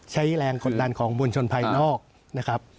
ใช้แรงกดดันของมวลชนภายนอกนะครับ